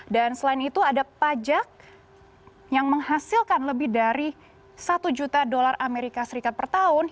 dan selain itu ada pajak yang menghasilkan lebih dari satu juta dolar amerika serikat per tahun